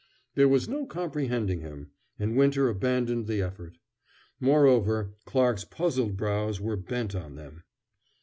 There was no comprehending him, and Winter abandoned the effort. Moreover, Clarke's puzzled brows were bent on them.